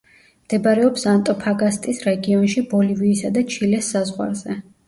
მდებარეობს ანტოფაგასტის რეგიონში ბოლივიისა და ჩილეს საზღვარზე.